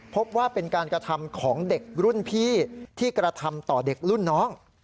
พบว่าเป็นการกระทำของเด็กรุ่นพี่ที่กระทำต่อเด็กรุ่นน้อง